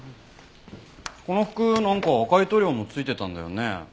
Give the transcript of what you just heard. この服なんか赤い塗料も付いてたんだよね？